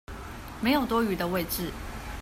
沒有多餘的位子